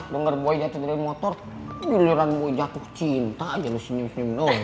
dengar boy jatuh dari motor duliran boy jatuh cinta aja lo senyum senyum doang